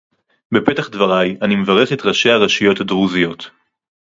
בפתח דברי אני מברך את ראשי הרשויות הדרוזיות